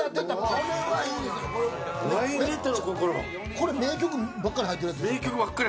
これ名曲ばっかり入ってるやつ。